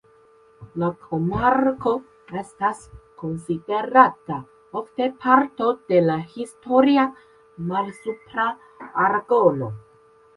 La komarko estas konsiderata ofte parto de la Historia Malsupra Aragono.